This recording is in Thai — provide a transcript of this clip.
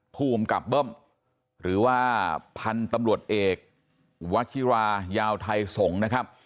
ผู้บังกับหรือว่าพันธุ์ตำรวจเอกวจิรายาวไทยส่งนะครับ